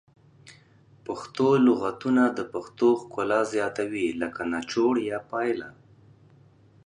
پښتو لغتونه د پښتو ښکلا زیاتوي لکه نچوړ یا پایله